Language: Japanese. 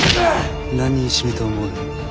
何人死ぬと思う？え？